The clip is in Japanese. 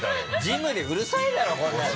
ジムでうるさいだろこんな。